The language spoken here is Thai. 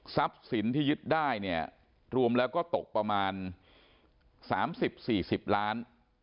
ทรัพย์สินที่ยึดได้รวมแล้วก็ตกประมาณ๓๐๔๐ล้าน